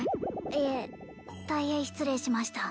いえ大変失礼しました